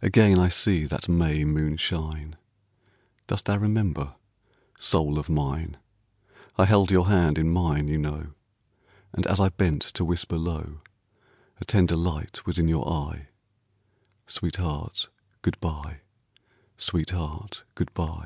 Again I see that May moon shine, Dost thou remember, soul of mine? I held your hand in mine, you know, And as I bent to whisper low, A tender light was in your eye, "Sweetheart, good by, sweetheart, good by."